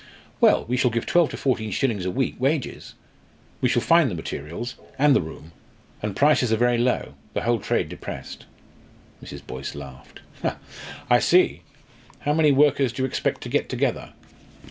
"Well, we shall give twelve to fourteen shillings a week wages. We shall find the materials, and the room and prices are very low, the whole trade depressed." Mrs. Boyce laughed. "I see. How many workers do you expect to get together?"